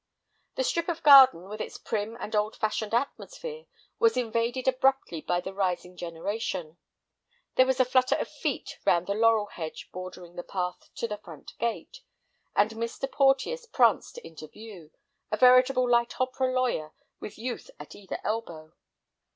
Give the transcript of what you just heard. The strip of garden, with its prim and old fashioned atmosphere, was invaded abruptly by the rising generation. There was a flutter of feet round the laurel hedge bordering the path to the front gate, and Mr. Porteus pranced into view, a veritable light opera lawyer with youth at either elbow.